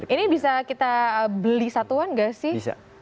ini bisa kita beli satuan gak sih